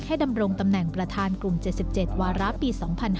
ดำรงตำแหน่งประธานกลุ่ม๗๗วาระปี๒๕๕๙